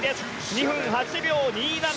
２分８秒２７。